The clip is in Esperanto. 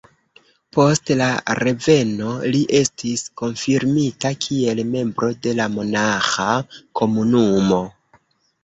Post la reveno li estis konfirmita kiel membro de la monaĥa komunumo.